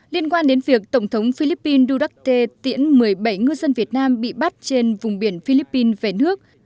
liên quan đến việc tổng thống philippines dudakt tiễn một mươi bảy ngư dân việt nam bị bắt trên vùng biển philippines về nước